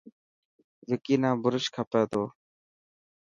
وڪي نا برش کپي تو.